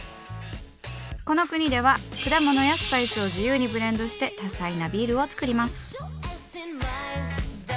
この国では果物やスパイスを自由にブレンドして多彩なビールを作ります。